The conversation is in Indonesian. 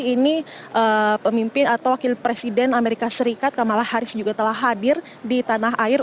ini pemimpin atau wakil presiden amerika serikat kamala harris juga telah hadir di tanah air